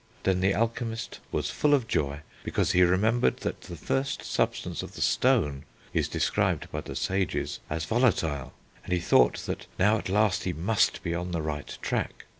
Then the Alchemist was full of joy, because he remembered that the first substance of the Stone is described by the Sages as volatile; and he thought that now at last he must be on the right track.